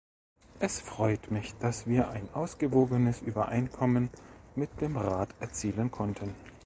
Es freut mich, dass wir ein ausgewogenes Übereinkommen mit dem Rat erzielen konnten.